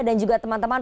dan juga teman teman